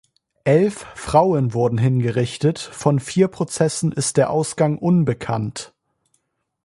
Elf Frauen wurden hingerichtet, von vier Prozessen ist der Ausgang unbekannt.